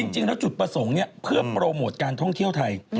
จริงแล้วจุดประสงค์เพื่อโปรโมทการท่องเที่ยวไทย